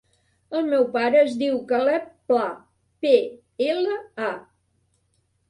El meu pare es diu Caleb Pla: pe, ela, a.